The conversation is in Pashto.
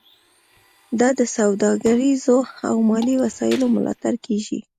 دا د سوداګریزو او مالي وسایلو ملاتړ کیږي